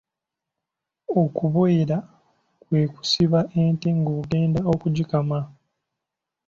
Okuboyera kwe kusiba ente ng’ogenda okugikama.